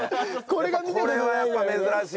これはやっぱ珍しいんだ。